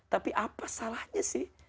tapi apa salahnya sih